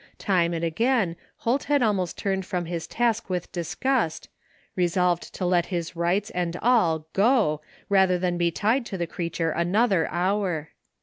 Time and again Holt had almost turned from his task with disgust, resolved to let his rights and all go rather than be tied to the creature another hour.